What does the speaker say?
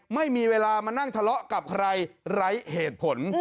ไม่มีเวลามานั่งทะเลาะกับใครไร้เหตุผล